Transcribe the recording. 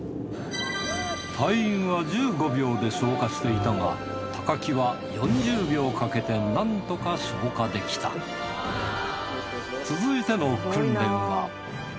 隊員は１５秒で消火していたが木は４０秒かけてなんとか消火できたおっ？